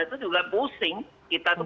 itu juga pusing kita tuh